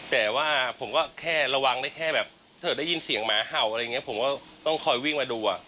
แต่ว่าผมก็แค่ระวังได้แค่แบบถ้าเกิดได้ยินเสียงหมาเห่าอะไรอย่างเงี้ผมก็ต้องคอยวิ่งมาดู